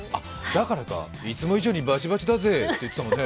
だからか「いつも以上にバチバチだぜぇ」って言ってたね。